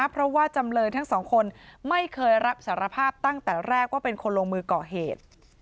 เพราะว่าจำเลยทั้งสองคนไม่เคยรับสารภาพตั้งแต่แรกว่าเป็นคนลงมือก่อเหตุ